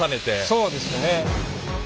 そうですね。